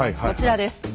こちらです。